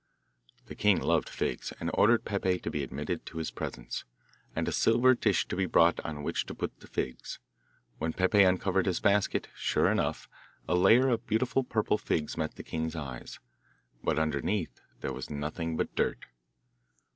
The king loved figs, and ordered Peppe to be admitted to his presence, and a silver dish to be brought on which to put the figs. When Peppe uncovered his basket sure enough a layer of beautiful purple figs met the king's eyes, but underneath there was nothing but dirt.